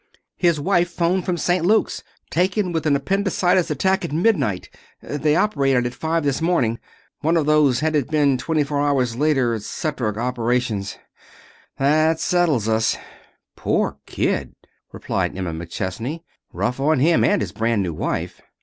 "His wife 'phoned from St. Luke's. Taken with an appendicitis attack at midnight. They operated at five this morning. One of those had it been twenty four hours later etc. operations. That settles us." "Poor kid," replied Emma McChesney. "Rough on him and his brand new wife."